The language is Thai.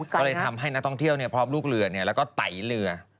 ก็เลยทำให้นักท่องเที่ยวพร้อมลูกเรือแล้วก็ไตเรือ